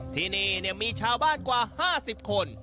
ที่นี่มีชาวบ้านกว่า๕๐คน